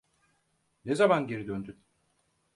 Ne zaman geri döndün?